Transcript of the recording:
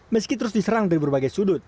meski terus diserang dari berbagai sudut